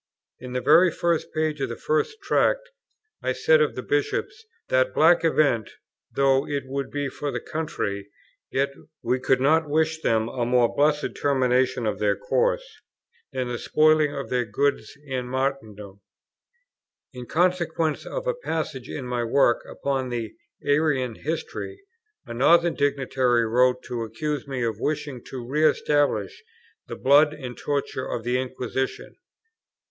In the very first page of the first Tract, I said of the Bishops, that, "black event though it would be for the country, yet we could not wish them a more blessed termination of their course, than the spoiling of their goods and martyrdom." In consequence of a passage in my work upon the Arian History, a Northern dignitary wrote to accuse me of wishing to re establish the blood and torture of the Inquisition.